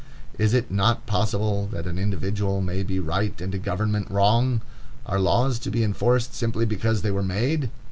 Is it not possible that an individual may be right and a government wrong? Are laws to be enforced simply because they were made?